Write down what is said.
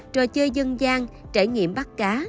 trò chơi dân gian trải nghiệm bắt cá